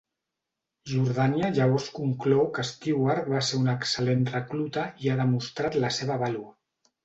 Jordània llavors conclou que Stewart va ser un excel·lent recluta i ha demostrat la seva vàlua.